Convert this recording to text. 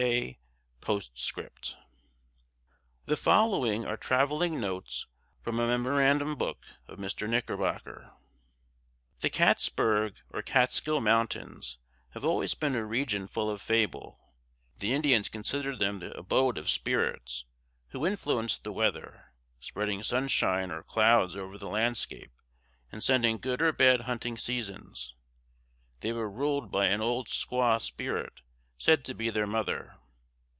"D. K." POSTSCRIPT. The following are travelling notes from a memorandum book of Mr. Knickerbocker: The Kaatsberg or Catskill mountains have always been a region full of fable. The Indians considered them the abode of spirits, who influenced the weather, spreading sunshine or clouds over the landscape, and sending good or bad hunting seasons. They were ruled by an old squaw spirit, said to be their mother.